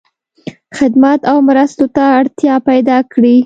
خدمت او مرستو ته اړتیا پیدا کړی.